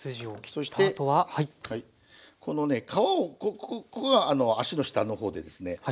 そしてこのね皮をここが脚の下の方でですね